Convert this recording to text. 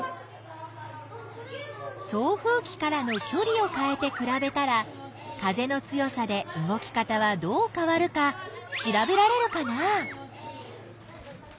送風きからのきょりをかえてくらべたら風の強さで動き方はどうかわるかしらべられるかな？